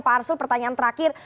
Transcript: pak arsul pertanyaan terakhir